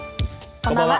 こんばんは。